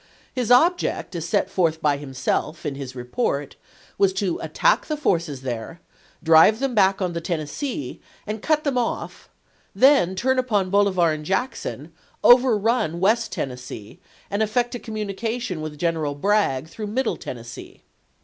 His object, as set forth by himself in his report, was to attack the forces there, drive them back on the Tennessee and cut them off, then turn upon Bolivar and Jackson, overrun West Tennessee, and effect a communication with General Bragg through Middle Tennessee.